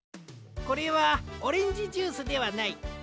これはオレンジジュースではない。